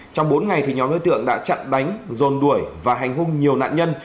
trong bốn ngày thì nhóm đối tượng đã chặn đánh dồn đuổi và hành hung nhiều nạn nhân